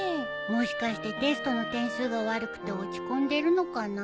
もしかしてテストの点数が悪くて落ち込んでるのかな？